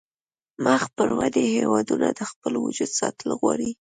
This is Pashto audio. مخ پر ودې هیوادونه د خپل وجود ساتل غواړي